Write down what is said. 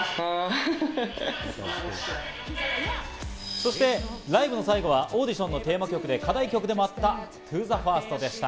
そしてライブの最後はオーディションのテーマ曲で課題曲でもあった『ＴｏＴｈｅＦｉｒｓｔ』でした。